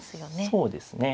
そうですね。